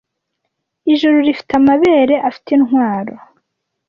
ijuru rifite amabere afite intwaro